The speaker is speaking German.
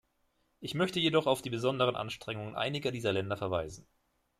Ich möchte jedoch auf die besonderen Anstrengungen einiger dieser Länder verweisen.